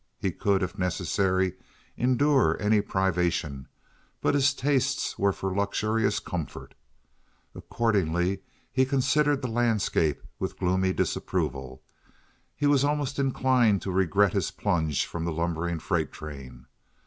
He could, if necessary, endure any privation, but his tastes were for luxurious comfort. Accordingly he considered the landscape with gloomy disapproval. He was almost inclined to regret his plunge from the lumbering freight train.